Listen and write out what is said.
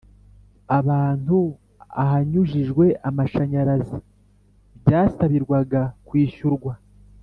abantu ahanyujijwe amashanyarazi byasabirwaga kwishyurwa,